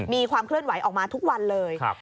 มีความเคลื่อนไหวออกมาทุกวันเลย